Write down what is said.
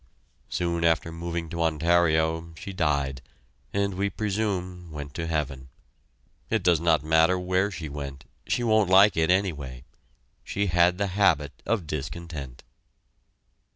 Soon after moving to Ontario she died, and we presume went to heaven. It does not matter where she went she won't like it, anyway. She had the habit of discontent.